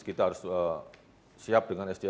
kita harus siap dengan sdm